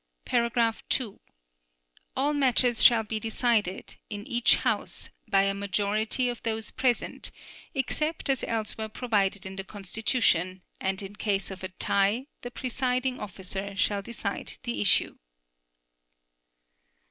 (2) All matters shall be decided, in each House, by a majority of those present, except as elsewhere provided in the Constitution, and in case of a tie, the presiding officer shall decide the issue.